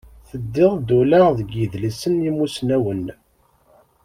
Teddiḍ-d ula deg yidlisen n yimusnawen.